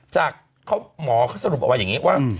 จากหมอเขาสรุปออกมาอย่างนี้ว่า